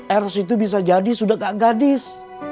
eros itu bisa jadi sudah gak gadis